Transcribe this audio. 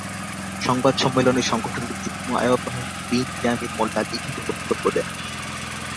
সংবাদ সম্মেলনে সংগঠনটির যুগ্ম আহ্বায়ক বিন ইয়ামিন মোল্লা লিখিত বক্তব্য দেন।